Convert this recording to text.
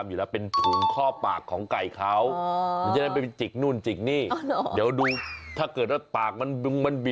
คนก็ต้องวัดอุณหภูมิ